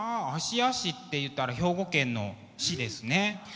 芦屋市っていったら兵庫県の市ですね。